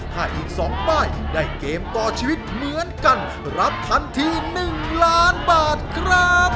ถ้าอีก๒ป้ายได้เกมต่อชีวิตเหมือนกันรับทันที๑ล้านบาทครับ